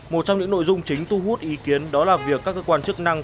một trong những nội dung chính tu hút ý kiến đó là việc các cơ quan chức năng